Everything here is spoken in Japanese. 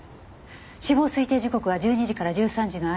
死亡推定時刻は１２時から１３時の間。